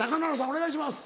お願いします。